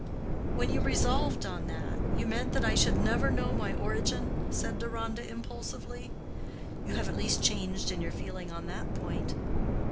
"When you resolved on that, you meant that I should never know my origin?" said Deronda, impulsively. "You have at least changed in your feeling on that point."